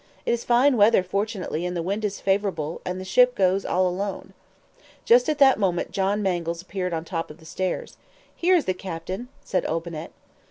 It is fine weather, fortunately, and the wind is favorable, and the ship goes all alone." Just at that moment John Mangles appeared at the top of the stairs. "Here is the captain!" said Olbinett.